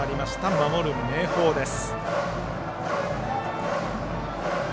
守る明豊です。